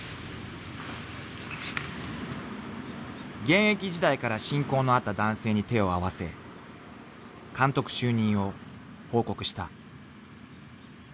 ［現役時代から親交のあった男性に手を合わせ監督就任を報告した］